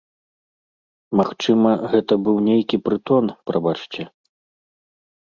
Магчыма, гэта быў нейкі прытон, прабачце.